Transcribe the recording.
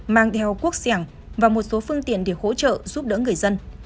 mang theo quốc xẻng và một số phương tiện để hỗ trợ giúp đỡ người dân